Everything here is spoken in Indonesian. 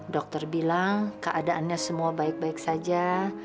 dokter bilang keadaannya semua baik baik saja